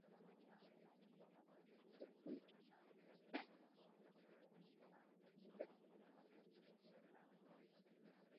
Orain, zama hegaldiez gain bidaiari hegaldi gehiago eskaintzeko aukera irekiko da.